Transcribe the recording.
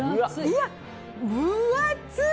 分厚い！